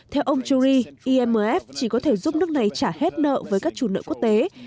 theo ông chury imf chỉ có thể giúp nước này trả hết nợ với các chủ nợ quốc tế